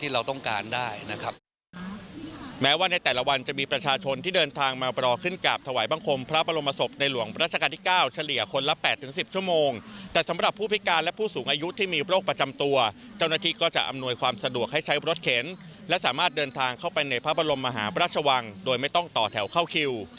หลังพบว่าในแต่ละวันสามารถที่จะเดินทางเข้าไปในพระบรมมหาพระชวังให้มีประสิทธิภาพมากขึ้นครับ